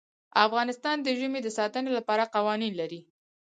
افغانستان د ژمی د ساتنې لپاره قوانین لري.